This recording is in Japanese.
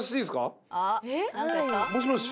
もしもし。